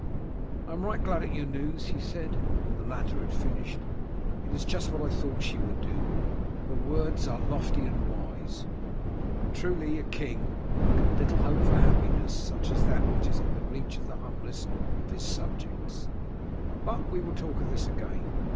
"I am right glad at your news," he said, when the latter had finished. "It is just what I thought she would do. Her words are lofty and wise; truly a king can little hope for happiness such as that which is in the reach of the humblest of his subjects. But we will talk of this again.